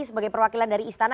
sebagai perwakilan dari istana